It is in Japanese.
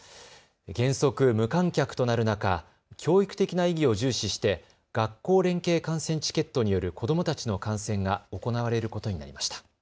原則無観客となる中、教育的な意義を重視して学校連携観戦チケットによる子どもたちの観戦が行われることになりました。